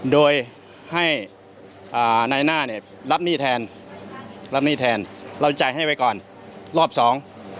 โดยให้อ่านายหน้าเนี่ยรับหนี้แทนรับหนี้แทนเราจ่ายให้ไว้ก่อนรอบสอง